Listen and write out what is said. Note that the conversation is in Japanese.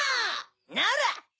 なら！